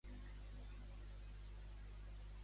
Aquell any havien tingut bons resultats en el camp?